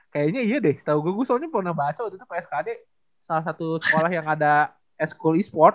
kayaknya iya deh tau gue soalnya pernah baca waktu itu pskad salah satu sekolah yang ada e sport